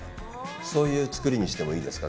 そういう作りにしてもいいですか？